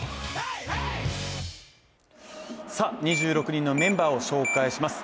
２６人のメンバーを紹介します。